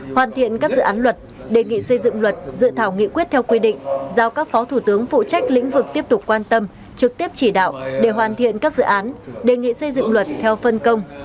hoàn thiện các dự án luật đề nghị xây dựng luật dự thảo nghị quyết theo quy định giao các phó thủ tướng phụ trách lĩnh vực tiếp tục quan tâm trực tiếp chỉ đạo để hoàn thiện các dự án đề nghị xây dựng luật theo phân công